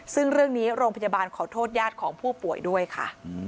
ซึ่งเรื่องนี้โรงพยาบาลขอโทษญาติของผู้ป่วยด้วยค่ะ